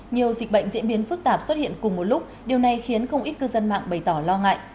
nhiều dịch bệnh diễn biến phức tạp xuất hiện cùng một lúc điều này khiến không ít cư dân mạng bày tỏ lo ngại